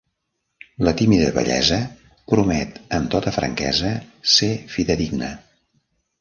La tímida bellesa promet amb tota franquesa ser fidedigna.